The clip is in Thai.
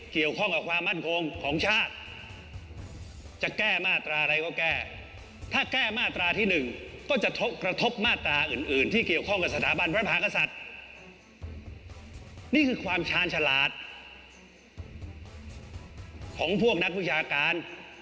ของพวกนักวิชาการ